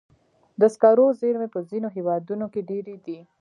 د سکرو زیرمې په ځینو هېوادونو کې ډېرې دي.